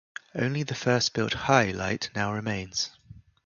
Only the first built 'high' light now remains.